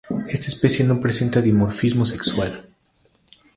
Esta especie no presenta dimorfismo sexual.